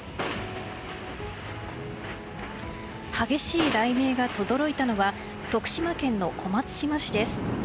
激しい雷鳴がとどろいたのは徳島県の小松島市です。